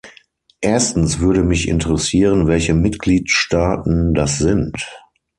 Erstens würde mich interessieren, welche Mitgliedstaaten das sind.